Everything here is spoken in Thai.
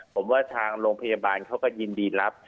ผมว่าทางโรงพยาบาลเขาก็ยินดีรับ